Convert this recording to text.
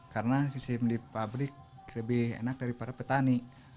karena sih di pabrik lebih enak daripada petani